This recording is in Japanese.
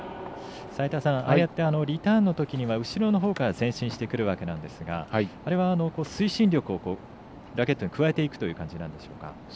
齋田さんああやってリターンの時には後ろのほうから前進してくるわけですがあれは、推進力をラケットに加えていくという感じなんでしょうか。